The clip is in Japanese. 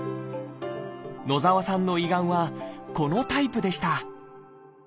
野澤さんの胃がんはこのタイプでした。